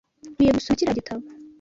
Nkwiye gusoma kiriya gitabo.